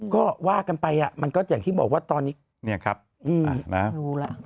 ก็ว่ากันไปอ่ะมันก็อย่างที่บอกว่าตอนนี้เนี่ยครับรู้แล้ว